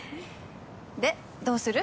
でどうする？